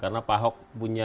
karena pak ahok punya ya